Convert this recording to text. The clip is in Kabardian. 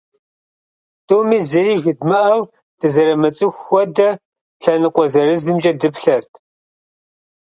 Тӏуми зыри жыдмыӏэу, дызэрымыцӏыху хуэдэ, лъэныкъуэ зырызымкӏэ дыплъэрт.